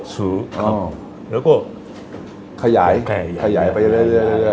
ซื้อแล้วก็ขยายไปเรื่อย